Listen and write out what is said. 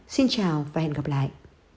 xin chào và hẹn gặp lại